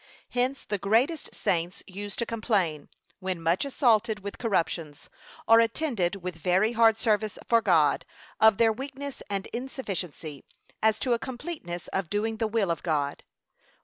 Hence the greatest saints use to complain, when much assaulted with corruptions, or attended with very hard service for God, of their weakness and insufficiency, as to a completeness of doing the will of God.